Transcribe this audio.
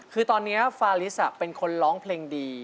คือตอนนี้ฟาลิสเป็นคนร้องเพลงดี